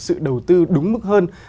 sự đầu tư đúng mức hơn